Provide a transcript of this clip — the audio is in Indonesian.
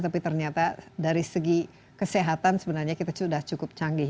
tapi ternyata dari segi kesehatan sebenarnya kita sudah cukup canggih